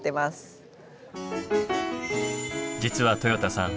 実はとよたさん